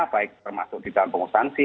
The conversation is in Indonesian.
baik termasuk di dalam pengustansi